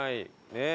ねえ。